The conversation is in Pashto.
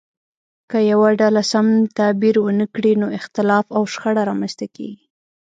که یوه ډله سم تعبیر ونه کړي نو اختلاف او شخړه رامنځته کیږي.